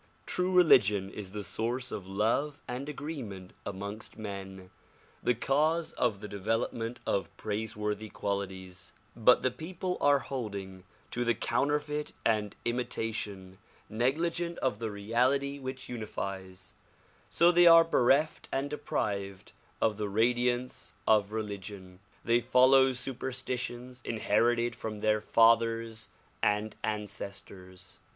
True religion is the source of love and agree ment amongst men, the cause of the development of praiseworthy qualities; but the people are holding to the counterfeit and imita tion, negligent of the reality which unifies; so they are bereft and deprived of the radiance of religion. They follow superstitions inherited from their fathers and ancestors.